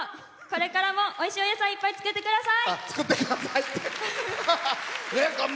これからもおいしいお野菜いっぱい作ってください！